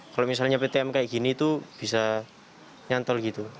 kalau misalnya ptm kayak gini tuh bisa nyantol gitu